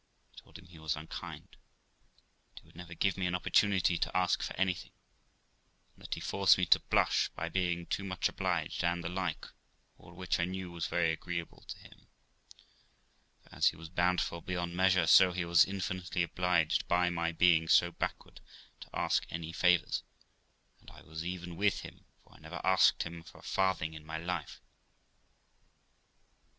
1 told him he was unkind, that he would never give me an opportunity to ask for anything, and that he forced me to blush by being too much obliged, and the like; all which, I knew, was very agreeable to him, for as he was bountiful beyond measure, so he was infinitely obliged by my being so backward to ask any favours ; and I was even with him, for I never asked him for a farthing in my life.